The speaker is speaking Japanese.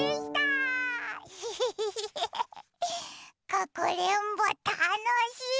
かくれんぼたのしい！